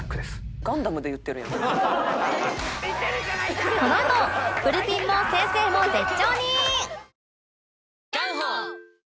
このあとブルピンも先生も絶頂に！